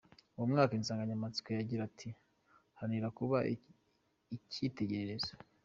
Uwo mwaka, insanganyamatsiko yagira iti: “Haranira kuba icyitegererezo.